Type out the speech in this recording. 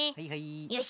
よし。